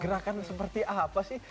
gerakan seperti apa sih